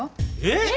えっ！？